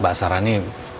mbak sara ini